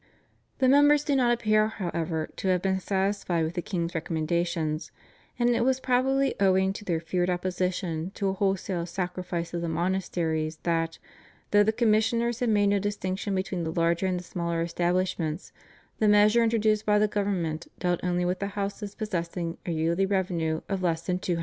The members do not appear, however, to have been satisfied with the king's recommendations, and it was probably owing to their feared opposition to a wholesale sacrifice of the monasteries that, though the commissioners had made no distinction between the larger and the smaller establishments the measure introduced by the government dealt only with the houses possessing a yearly revenue of less than £200.